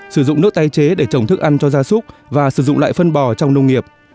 sử dụng nước tái chế để trồng thức ăn cho gia súc và sử dụng lại phân bò trong nông nghiệp